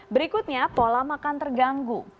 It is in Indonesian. berikutnya pola makan terganggu